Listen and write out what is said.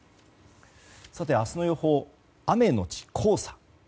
明日の予報、雨のち黄砂。